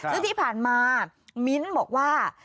ซึ่งที่ผ่านมามิ้นท์บอกว่า